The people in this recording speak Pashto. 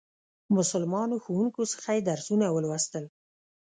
مسلمانو ښوونکو څخه یې درسونه ولوستل.